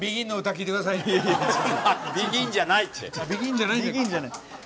ＢＥＧＩＮじゃないんだっけ？